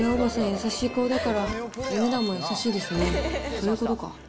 そういうことか。